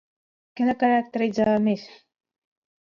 Què la caracteritzava més?